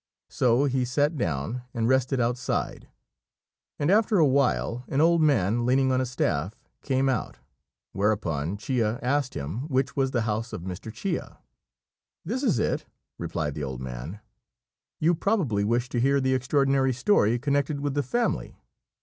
So he sat down and rested outside; and after a while an old man leaning on a staff came out, whereupon Chia asked him which was the house of Mr. Chia. "This is it," replied the old man; "you probably wish to hear the extraordinary story connected with the family?